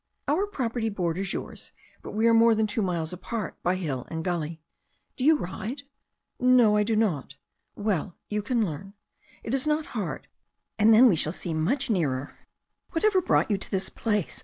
"Our property borders yours, but we are more than two miles apart by hill and gully. Do you ride?" "No, I do not." "Well, you can learn. It is not hard. And then we shall seem much nearer." "Whatever brought you to this place?"